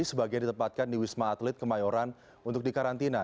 sebagian ditempatkan di wisma atlet kemayoran untuk dikarantina